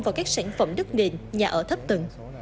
vào các sản phẩm đất nền nhà ở thấp tầng